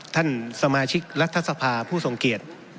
ท่านสมาชิกรัฐทศพาฯผู้ส่งเกลียด